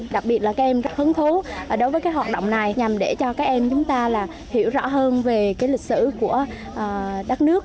đặc biệt là các em rất hứng thú đối với cái hoạt động này nhằm để cho các em chúng ta hiểu rõ hơn về cái lịch sử của đất nước